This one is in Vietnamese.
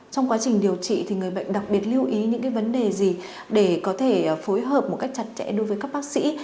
trong quá trình điều trị thì người bệnh đặc biệt lưu ý những vấn đề gì để có thể phối hợp một cách chặt chẽ đối với các bác sĩ